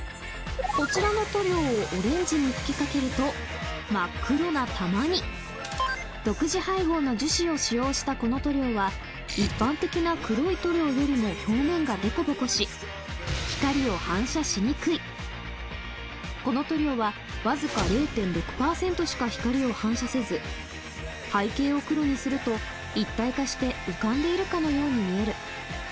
こちらの塗料をオレンジに吹き掛けると真っ黒な球に独自配合の樹脂を使用したこの塗料は一般的な黒い塗料よりも表面がデコボコしこの塗料はわずか０．６％しか光を反射せず背景を黒にすると一体化して浮かんでいるかのように見える